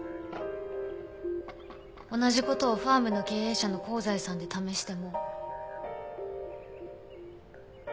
同じ事をファームの経営者の香西さんで試しても。